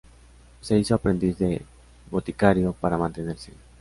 Se hizo aprendiz de boticario para mantenerse.